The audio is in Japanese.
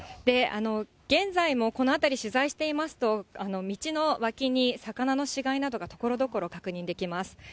現在もこの辺り、取材していますと、道の脇に魚の死骸などがところどころ確認できます。